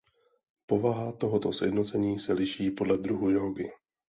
Povaha tohoto sjednocení se liší podle druhu jógy.